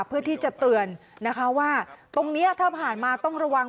เพื่อที่จะเตือนนะคะว่าตรงนี้ถ้าผ่านมาต้องระวัง